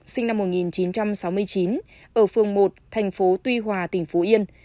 sinh năm một nghìn chín trăm sáu mươi chín ở phường một thành phố tuy hòa tỉnh phú yên